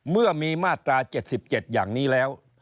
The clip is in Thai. เมื่อมีมาตรา๗๗อย่างนี้แล้ว